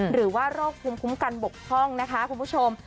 หรือว่าโรคภูมิคุ้มกันบกพร่องนะคะคุณผู้ชม